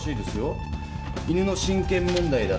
犬の親権問題だって。